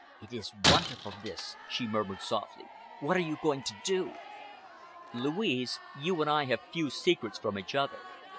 "It is wonderful, this," she murmured softly. "What are you going to do?" "Louise, you and I have few secrets from each other.